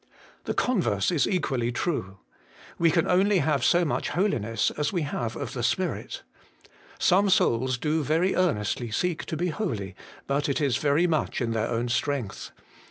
The converse is equally true. We can only have so much holiness as we have of the Spirit. Some souls do very earnestly seek to be holy, but it is very much in their own strength.